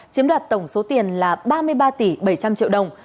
chiếm đoạt tổng số tiền là ba mươi ba tỷ bảy trăm linh triệu đồng